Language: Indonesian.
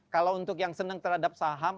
kalau untuk yang senang terhadap saham